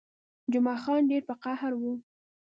جمعه خان ډېر په قهر وو.